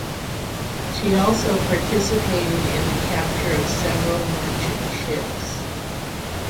She also participated in the capture of several merchant ships.